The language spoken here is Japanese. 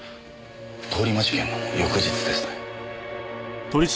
通り魔事件の翌日ですね。